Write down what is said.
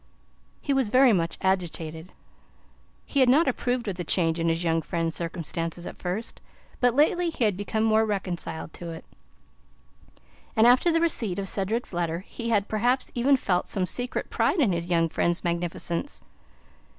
He was very much agitated. He had not approved of the change in his young friend's circumstances at first, but lately he had become more reconciled to it, and after the receipt of Cedric's letter he had perhaps even felt some secret pride in his young friend's magnificence.